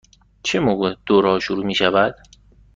چه موقع دوره ها شروع می شود؟